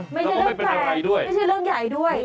ไม่ใช่เรื่องแปลกไม่ใช่เรื่องใหญ่ด้วย